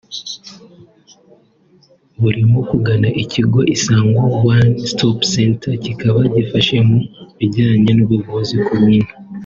burimo kugana ikigo Isange One Stop Centre kikaba gifasha mu bijyanye n’ubuvuzi ku buntu